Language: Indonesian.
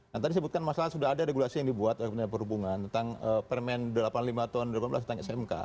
nah tadi disebutkan masalah sudah ada regulasi yang dibuat oleh kementerian perhubungan tentang permen delapan puluh lima tahun dua ribu delapan belas tentang smk